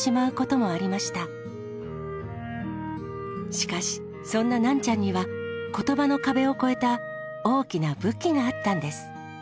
しかしそんなナンちゃんには言葉の壁を越えた大きな武器があったんです